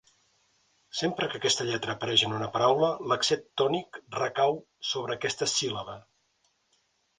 Sempre que aquesta lletra apareix en una paraula, l'accent tònic recau sobre aquesta síl·laba.